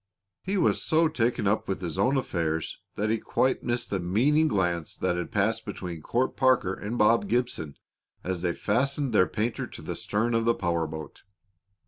He was so taken up with his own affairs that he quite missed the meaning glance that passed between Court Parker and Bob Gibson as they fastened their painter to the stern of the power boat.